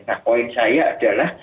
nah poin saya adalah